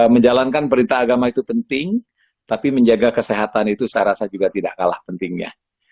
menjalankan perintah agama itu penting tapi menjaga kesehatan itu saya rasa juga tidak kalah pentingnya